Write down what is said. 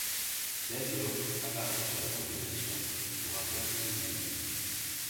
Dej Loaf apparaît sur la compilation ' du rappeur Eminem.